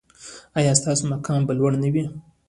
ایا ستاسو مقام به لوړ نه وي؟